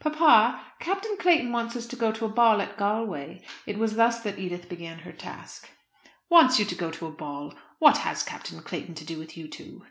"Papa, Captain Clayton wants us to go to a ball at Galway," it was thus that Edith began her task. "Wants you to go a ball! What has Captain Clayton to do with you two?"